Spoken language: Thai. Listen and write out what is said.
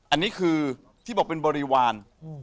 อันนี้คือที่บอกเป็นบริวาร